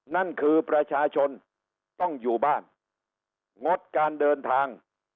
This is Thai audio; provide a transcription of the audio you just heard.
นั่นคือประชาชนต้องอยู่บ้านงดการเดินทาง